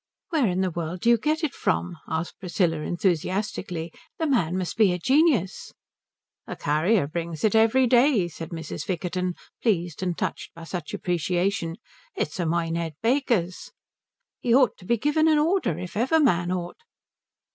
"Where in the world do you get it from?" asked Priscilla enthusiastically. "The man must be a genius." "The carrier brings it every day," said Mrs. Vickerton, pleased and touched by such appreciation. "It's a Minehead baker's." "He ought to be given an order, if ever man ought."